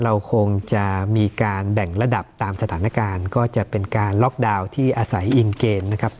เราคงจะมีการแบ่งระดับตามสถานการณ์ก็จะเป็นการล็อกดาวน์ที่อาศัยอิงเกณฑ์นะครับ